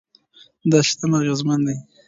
دا سیستم اغېزمن دی.